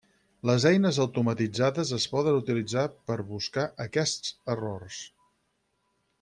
Les eines automatitzades es poden utilitzar per buscar aquests errors.